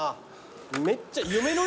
めっちゃ。